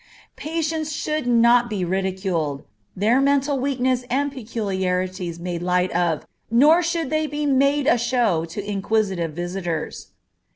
Patients should not be ridiculed, their mental weakness and peculiarities made light of, nor should they be made a show to inquisitive visitors.